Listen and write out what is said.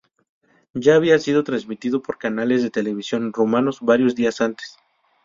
Ya había sido transmitido por canales de televisión rumanos varios días antes.